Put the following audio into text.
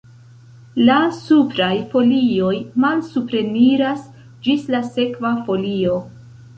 La supraj folioj malsupreniras ĝis la sekva folio.